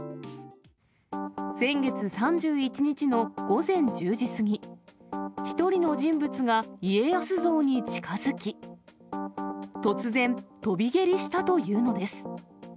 先月３１日の午前１０時過ぎ、一人の人物が家康像に近づき、突然、飛び蹴りしたというのです。